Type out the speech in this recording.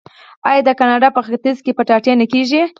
آیا د کاناډا په ختیځ کې کچالو نه کیږي؟